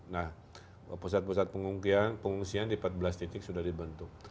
nah pusat pusat pengungsian di empat belas titik sudah dibentuk